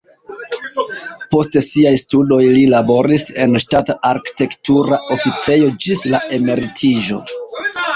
Post siaj studoj li laboris en ŝtata arkitektura oficejo ĝis la emeritiĝo.